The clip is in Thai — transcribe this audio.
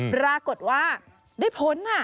ปรากฏว่าได้พ้น